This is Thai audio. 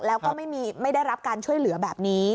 แล้วก็ไม่ได้รับการช่วยเหลือแบบนี้